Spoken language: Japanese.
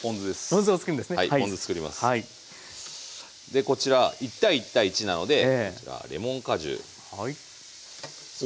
でこちら１：１：１なのでこちらレモン果汁。